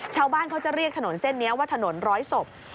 ชาวบ้านเขาจะเรียกถนนเส้นนี้ว่าถนนร้อยศพ